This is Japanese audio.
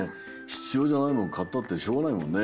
ひつようじゃないものかったってしょうがないもんね。